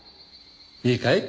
いいかい？